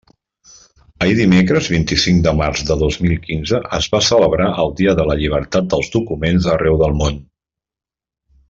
Ahir dimecres vint-i-cinc de març de dos mil quinze es va celebrar el Dia de la Llibertat dels Documents arreu del món.